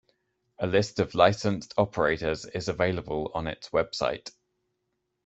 A list of licensed operators is available on its website.